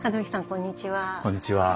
こんにちは。